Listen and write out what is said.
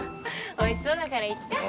おいしそうだからいっか。